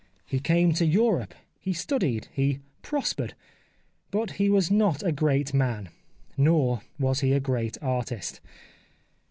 He came to Europe, he studied, he prospered. But he was not a great man, nor was he a great artist.